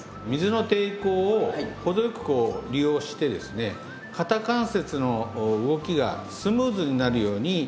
水の抵抗を程よくこう利用してですね肩関節の動きがスムーズになるように。